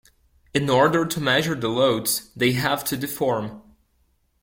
In order to measure the loads, they have to deform.